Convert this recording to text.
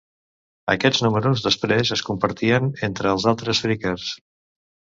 Aquests números després es compartien entre els altres "phreakers".